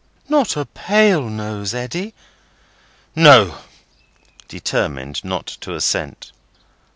"Not a pale nose, Eddy?" "No." Determined not to assent.